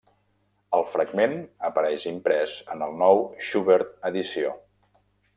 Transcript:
El fragment apareix imprès en el Nou Schubert Edició.